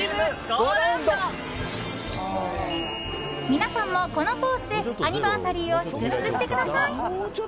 皆さんも、このポーズでアニバーサリーを祝福してください。